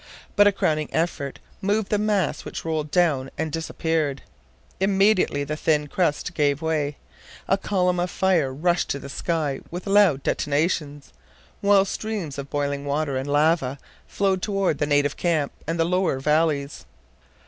But a crowning effort moved the mass which rolled down and disappeared. Immediately the thin crust gave way. A column of fire rushed to the sky with loud detonations, while streams of boiling water and lava flowed toward the native camp and the lower valleys.